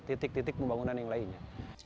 titik titik pembangunan yang lainnya